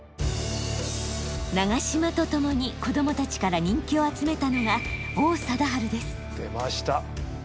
長嶋とともに子どもたちから人気を集めたのが出ました！